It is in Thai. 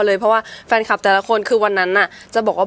เพราะว่าแฟนคลับแต่ละคนคือวันนั้นจะบอกว่า